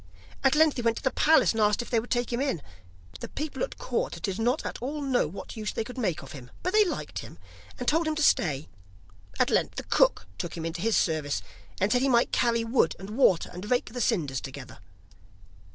At length he went to the palace, and asked if they would take him in. The people about court did not at all know what use they could make of him, but they liked him, and told him to stay. At length the cook took him into his service, and said he might carry wood and water, and rake the cinders together.